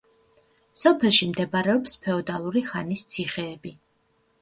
სოფელში მდებარეობს ფეოდალური ხანის ციხეები.